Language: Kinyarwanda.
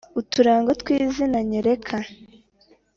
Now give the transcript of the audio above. uturango twi kinyazina nyereka